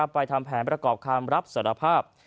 ทำแผนประกอบคำรับสารภาพ